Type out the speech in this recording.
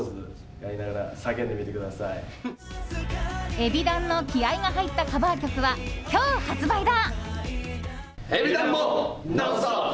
ＥＢｉＤＡＮの気合が入ったカバー曲は今日発売だ。